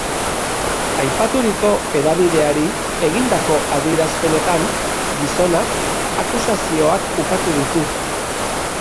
Aipaturiko hedabideari egindako adierazpenetan, gizonak akusazioak ukatu ditu.